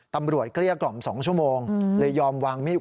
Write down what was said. เกลี้ยกล่อม๒ชั่วโมงเลยยอมวางมีด